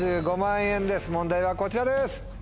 問題はこちらです。